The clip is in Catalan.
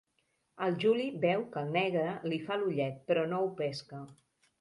El Juli veu que el negre li fa l'ullet, però no ho pesca.